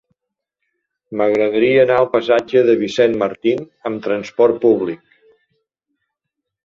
M'agradaria anar al passatge de Vicent Martín amb trasport públic.